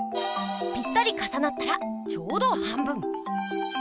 ピッタリかさなったらちょうど半分。